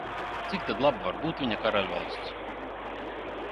Cik tad laba var būt viņa karaļvalsts?